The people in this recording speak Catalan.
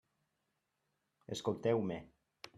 Escolteu-me.